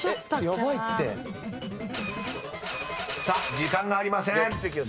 ［さあ時間がありません。